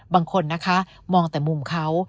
บางคนนะคะมองแต่มุมเขา